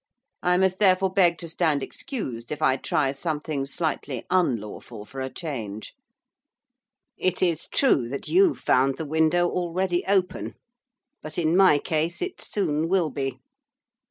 I must therefore beg to stand excused if I try something slightly unlawful for a change. It is true that you found the window already open; but, in my case, it soon will be.